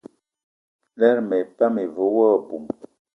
Lerma epan ive wo aboum.